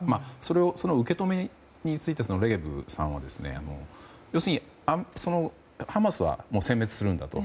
その受け止めについてレゲブさんは要するにハマスは殲滅するんだと。